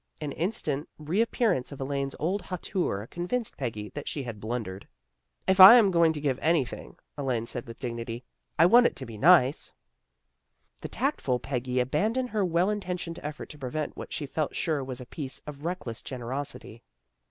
An instant reappearance of Elaine's old hauteur convinced Peggy that she had blun dered. " If I am going to give anything," Elaine said with dignity, " I want it to be nice." 98 THE GIRLS OF FRIENDLY TERRACE The tactful Peggy abandoned her well in tentioned effort to prevent what she felt sure was a piece of reckless generosity.